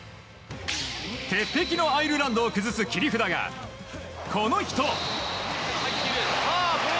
鉄壁のアイルランドを崩す切り札が、この人。